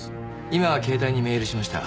今携帯にメールしました。